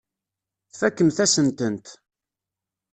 Tfakemt-asen-tent.